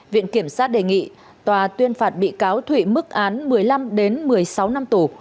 viện kiểm sát đề nghị tòa tuyên phạt bị cáo thụy mức án một mươi năm một mươi sáu năm tù